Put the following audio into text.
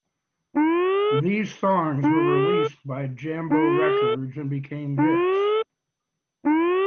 These songs were released by Jambo Records and became hits.